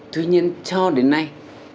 tuy nhiên cho đến nay